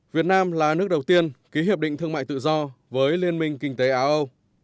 việt nam là nước đầu tiên ký hiệp định thương mại tự do với liên minh kinh tế á âu